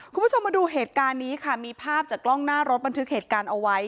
คุณผู้ชมมาดูเหตุการณ์นี้ค่ะมีภาพจากกล้องหน้ารถบันทึกเหตุการณ์เอาไว้